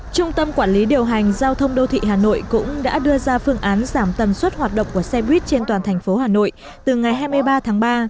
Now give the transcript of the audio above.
trung tâm quản lý điều hành giao thông đô thị hà nội cũng đã đưa ra phương án giảm tần suất hoạt động của xe buýt trên toàn thành phố hà nội từ ngày hai mươi ba tháng ba